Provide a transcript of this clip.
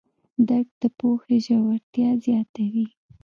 درک د پوهې ژورتیا زیاتوي.